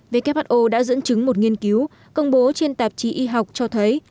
who đã dẫn chứng một nghiên cứu công bố trên tạp chí y học cho thấy